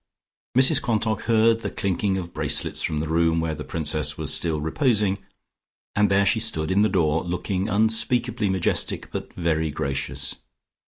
Mrs Quantock heard the clinking of bracelets from the room where the Princess was still reposing, and there she stood in the door, looking unspeakably majestic, but very gracious.